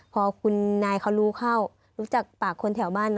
พอคุณนายเขารู้เข้ารู้จักปากคนแถวบ้าน